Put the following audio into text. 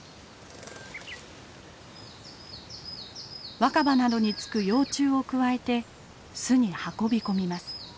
若葉などに付く幼虫をくわえて巣に運び込みます。